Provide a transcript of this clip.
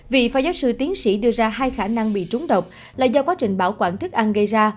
vị phó giáo sư tiến sĩ đưa ra hai khả năng bị trúng độc là do quá trình bảo quản thức ăn gây ra